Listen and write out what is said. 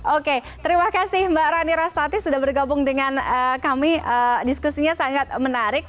oke terima kasih mbak rani rastati sudah bergabung dengan kami diskusinya sangat menarik